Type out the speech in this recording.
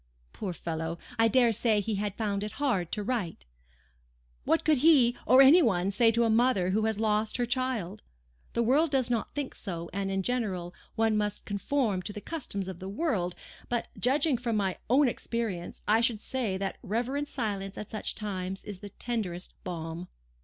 Poor fellow! I dare say he had found it hard to write. What could he—or any one—say to a mother who has lost her child? The world does not think so, and, in general, one must conform to the customs of the world; but, judging from my own experience, I should say that reverent silence at such times is the tenderest balm.